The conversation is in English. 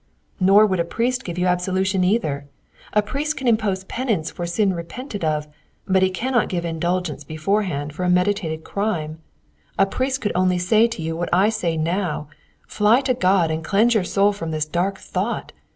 "Nor would a priest give you absolution either. A priest can impose penance for sin repented of, but he cannot give indulgence beforehand for a meditated crime. A priest could only say to you what I say now: 'Fly to God and cleanse your soul from this dark thought!'